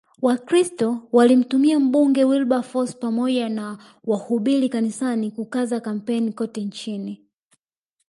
Wakristo walimtumia Mbunge Wilberforce pamoja na wahubiri kanisani kukaza kampeni kote nchini